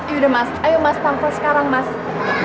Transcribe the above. yaudah mas ayo mas tamfle sekarang mas